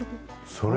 それ。